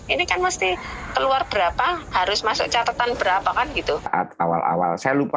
ini kan mesti keluar berapa harus masuk catatan berapa kan gitu